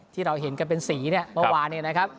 ที่เราเห็นเป็นสีเนี่ยเมื่อวานเนี่ย